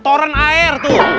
toran air tuh